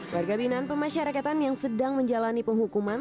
warga binaan pemasyarakatan yang sedang menjalani penghukuman